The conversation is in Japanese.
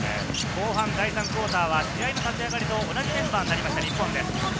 後半、第３クオーターは試合立ち上がり、同じメンバーとなりました。